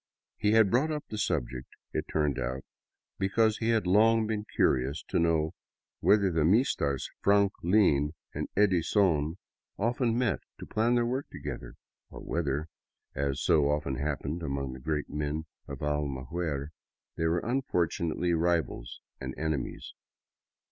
He had brought up the subject, it turned out, because he had long been curious to know whether the Meestares 98 DOWN THE ANDES TO QUITO Frunk Lean and Eddy Sone often met to plan their work together, or whether, as so often happened among the great men of Almaguer, they were unfortunately rivals and enemies.